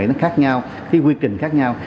nó khác nhau cái quy trình khác nhau